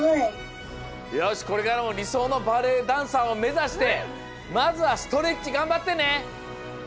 よしこれからもりそうのバレエダンサーをめざしてまずはストレッチがんばってね。